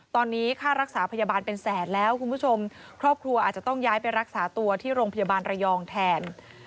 ตอนนี้ค่ารักษาพยาบาลเป็นแสนแล้วคุณผู้ชมครอบครัวอาจจะต้องย้ายไปรักษาตัวที่โรงพยาบาลระยองแทน